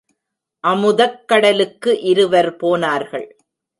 அமுதக் கடலுக்கு இருவர் போனார்கள்.